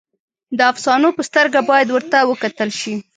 د افسانو په سترګه باید ورته وکتل شي.